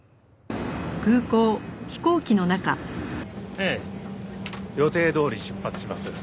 ええ。予定どおり出発します。